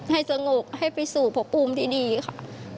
ให้สงุกให้ไปสู่ผบปุ่มที่ดีค่ะ